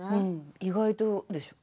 意外とでしょう？